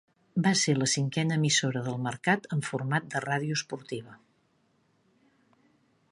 Va ser la cinquena emissora del mercat amb format de ràdio esportiva.